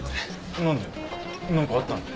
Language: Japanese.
何で何かあったのか？